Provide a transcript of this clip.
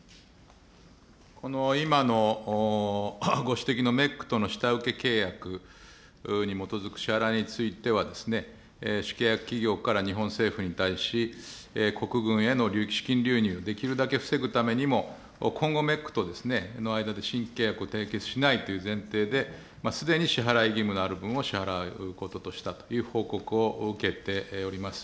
この今のご指摘のメックとの下請け契約に基づく支払いについては、主契約企業から日本政府に対し、国軍への資金流入、できるだけ防ぐためにも、今後、メックとの間で新契約を締結しないという前提で、すでに支払い義務のある分を支払うこととしたという報告を受けております。